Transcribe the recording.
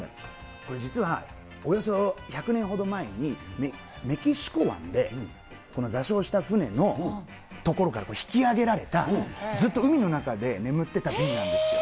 これ実は、およそ１００年ほど前に、メキシコ湾で、この座礁した船の所から、引き上げられたずっと海の中で眠ってた瓶なんですよ。